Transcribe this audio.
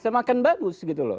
semakin bagus gitu loh